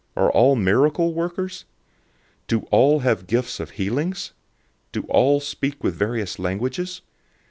Are all miracle workers? 012:030 Do all have gifts of healings? Do all speak with various languages?